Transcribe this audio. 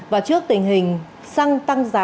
và trước tình hình xăng tăng giá